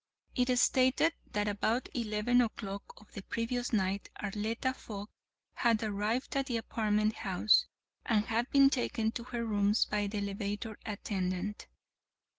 It stated that about eleven o'clock of the previous night Arletta Fogg had arrived at the apartment house, and had been taken to her rooms by the elevator attendant.